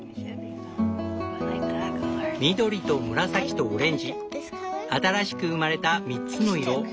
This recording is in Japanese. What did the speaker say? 緑と紫とオレンジ新しく生まれた３つの色。